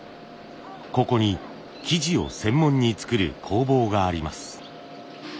ここに素地を専門に作る工房があります。